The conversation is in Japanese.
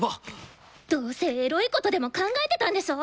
どうせエロいことでも考えてたんでしょ！？